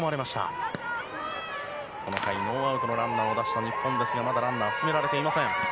この回ノーアウトのランナーを出した日本ですがまだランナー進められていません。